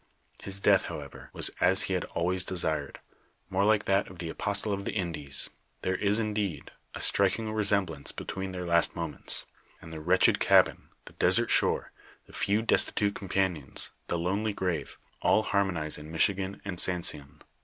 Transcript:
His death, however, was as he had always desired, more like that of the apostle of the Indies ; there is, indeed, a striking resemblance between their last moments, and the wretched cabin, the desert shore, the few destitute companions, the lonely grave, all harmonize in Michigan and Sancian.